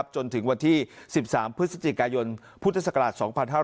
จนถึงวันที่๑๓พฤศจิกายนพุทธศักราช๒๕๕๙